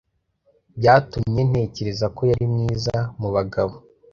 byatumye ntekereza ko yari mwiza mubagabo.